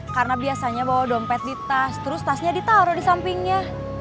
karena biasanya bawa dompet di tas terus tasnya ditaruh di sampingnya